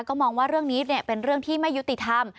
ก็มองว่าเรื่องนี้เป็นเรื่องที่ไม่ยุติธรรม